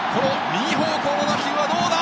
右方向の打球はどうだ。